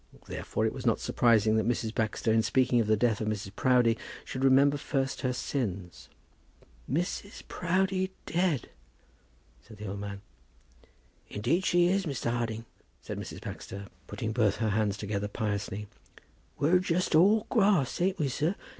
Therefore it was not surprising that Mrs. Baxter, in speaking of the death of Mrs. Proudie, should remember first her sins. "Mrs. Proudie dead!" said the old man. "Indeed she is, Mr. Harding," said Mrs. Baxter, putting both her hands together piously. "We're just grass, ain't we, sir!